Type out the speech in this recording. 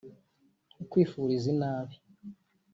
ukwifuriza inabi